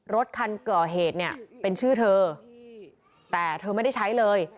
รถคันก่อเหตุเนี่ยเป็นชื่อเธอแต่เธอไม่ได้ใช้เลย